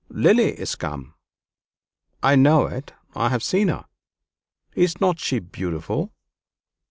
"Lily is come!" "I know it I have seen her." "Is not she beautiful?"